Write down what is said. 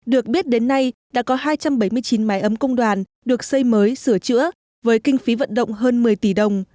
được biết đến nay đã có hai trăm bảy mươi chín máy ấm công đoàn được xây mới sửa chữa với kinh phí vận động hơn một mươi tỷ đồng